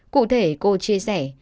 cụ thể cô chia sẻ